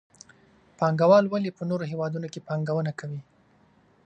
پانګوال ولې په نورو هېوادونو کې پانګونه کوي؟